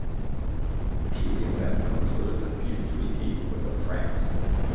Julian then concluded a peace treaty with the Franks.